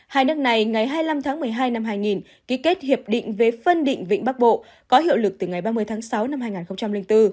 hai nước này ngày hai mươi năm tháng một mươi hai năm hai nghìn ký kết hiệp định về phân định vịnh bắc bộ có hiệu lực từ ngày ba mươi tháng sáu năm hai nghìn bốn